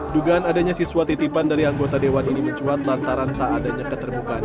dugaan adanya siswa titipan dari anggota dewan ini mencuat lantaran tak adanya keterbukaan